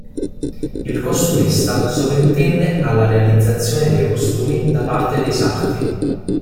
Il costumista sovrintende alla realizzazione dei costumi da parte dei sarti.